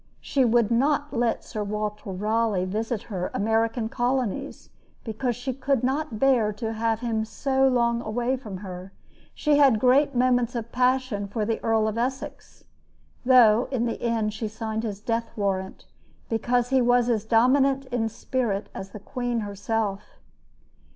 She would not let Sir Walter Raleigh visit her American colonies, because she could not bear to have him so long away from her. She had great moments of passion for the Earl of Essex, though in the end she signed his death warrant because he was as dominant in spirit as the queen herself.